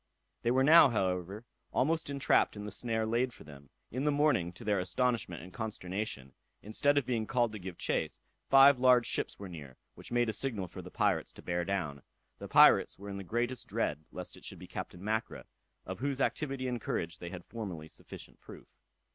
They were now, however, almost entrapped in the snare laid for them. In the morning, to their astonishment and consternation, instead of being called to give chase, five large ships were near, which made a signal for the pirates to bear down. The pirates were in the greatest dread lest it should be Captain Mackra, of whose activity and courage they had formerly sufficient proof.